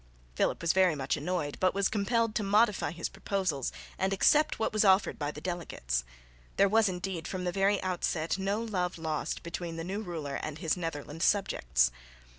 Philip was very much annoyed, but was compelled to modify his proposals and accept what was offered by the delegates. There was indeed from the very outset no love lost between the new ruler and his Netherland subjects.